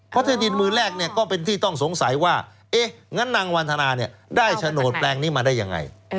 เพราะที่ดินมือแรกก็เป็นที่ต้องสงสัยว่างั้นนางวันธนาได้โฉนดแปลงนี้มาได้ยังไง